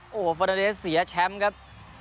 โอ้โหฟอนาเดสเสียแชมป์ครับ